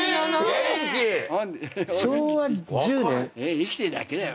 生きてるだけだよ。